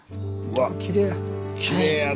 うわっきれいや。